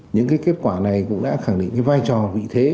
những kết quả này cũng đã khẳng định vai trò vị thế